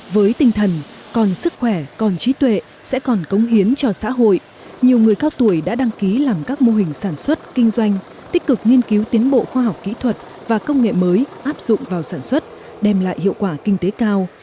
với tinh thần còn sức khỏe còn trí tuệ sẽ còn cống hiến cho xã hội nhiều người cao tuổi đã đăng ký làm các mô hình sản xuất kinh doanh tích cực nghiên cứu tiến bộ khoa học kỹ thuật và công nghệ mới áp dụng vào sản xuất đem lại hiệu quả kinh tế cao